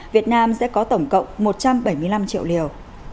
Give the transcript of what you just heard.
việt nam sẽ có tổng cộng một trăm bảy mươi năm triệu liều